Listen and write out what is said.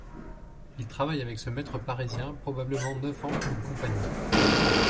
Il travaille avec ce maître parisien probablement neuf ans comme compagnon.